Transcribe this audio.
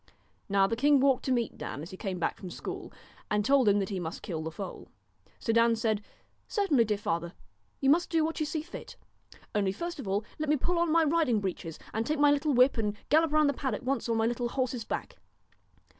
Now the king walked to meet Dan as he came back from school, and told him that he must kill the foal. So Dan said :' Certainly, dear father, you must do what you see fit ; only first of all let me pull on my riding breeches, and take my little whip and gallop round the paddock once on my little horse's back.'